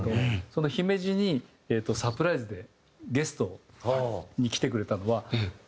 その姫路にサプライズでゲストに来てくれたのは。